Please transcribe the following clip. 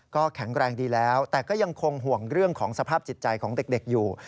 ก็แข็งแรงดีแล้วแต่ก็ยังคงห่วงเรื่องของสภาพจิตใจของเด็กอยู่